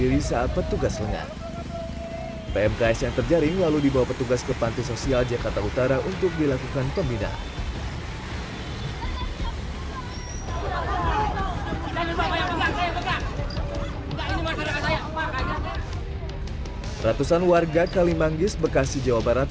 ratusan warga kalimanggis bekasi jawa barat